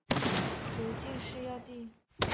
由进士擢第。